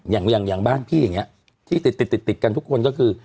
อย่างบ้านพี่อย่างนี้ที่ติดติดกันทุกคนก็คือ